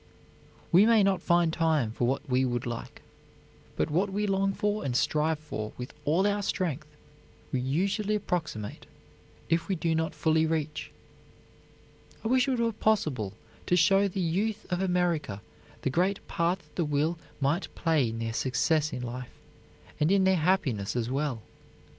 We may not find time for what we would like, but what we long for and strive for with all our strength, we usually approximate, if we do not fully reach. I wish it were possible to show the youth of America the great part that the will might play in their success in life and in their happiness as well.